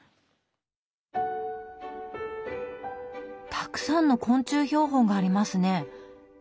たくさんの昆虫標本がありますね。